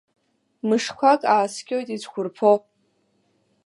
Мышқәак ааскьоит ицәқәырԥо.